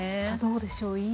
さあどうでしょう。